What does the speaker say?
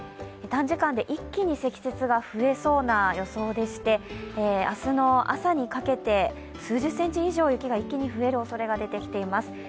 短時間で一気に積雪が増えそうな予想でして明日の朝にかけて数十センチ以上、雪が一気に増えるおそれがあります。